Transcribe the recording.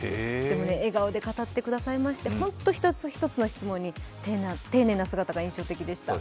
笑顔で語ってくれまして、一つ一つの質問に丁寧な姿が印象的でした。